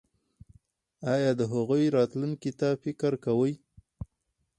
ایا د هغوی راتلونکي ته فکر کوئ؟